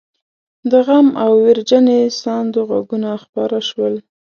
د غم او ويرجنې ساندو غږونه خپاره شول.